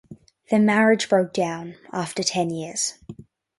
Their marriage broke down after ten years.